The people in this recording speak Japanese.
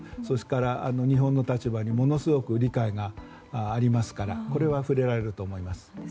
それから、日本の立場にものすごく理解がありますからこれは触れられると思います。